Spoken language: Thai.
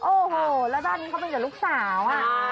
โอ้โหแล้วบ้านนี้เขาเป็นกับลูกสาว